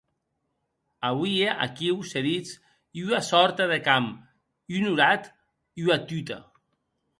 Auie aquiu, se ditz, ua sòrta de camp, un horat, ua tuta.